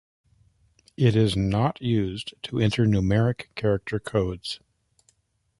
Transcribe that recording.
It is not used to enter numeric character codes.